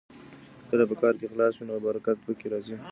که په کار کې اخلاص وي نو برکت پکې راځي.